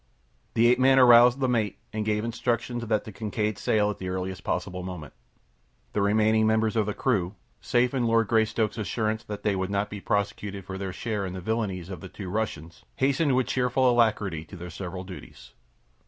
The ape man aroused the mate and gave instructions that the Kincaid sail at the earliest possible moment. The remaining members of the crew, safe in Lord Greystoke's assurance that they would not be prosecuted for their share in the villainies of the two Russians, hastened with cheerful alacrity to their several duties.